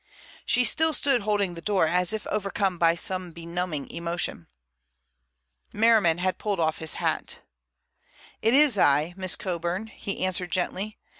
She still stood holding the door, as if overcome by some benumbing emotion. Merriman had pulled off his hat. "It is I, Miss Coburn," he answered gently.